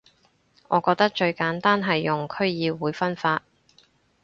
我覺得最簡單係用區議會分法